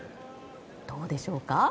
どうでしょうか？